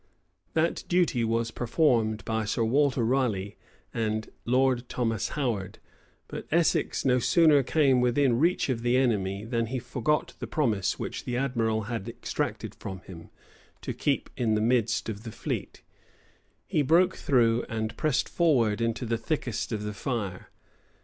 []* Camden, p. 591. Monson, p. 196 That duty was performed by Sir Walter Raleigh and Lord Thomas Howard; but Essex no sooner came within reach of the enemy, than he forgot the promise which the admiral had exacted from him, to keep in the midst of the fleet; he broke through and pressed forward into the thickest of the fire.